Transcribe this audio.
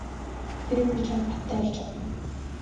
Тэрийг би чамд баттай хэлж чадна.